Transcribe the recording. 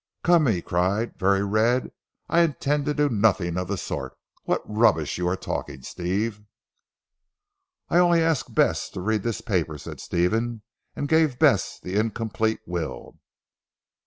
"Come," he cried, very red, "I intend to do nothing of the sort. What rubbish are you talking, Steve." "I only ask Bess to read this paper," said Stephen and gave Bess the incomplete will.